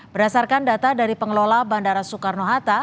berdasarkan data dari pengelola bandara soekarno hatta